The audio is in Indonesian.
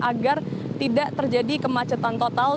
agar tidak terjadi kemacetan total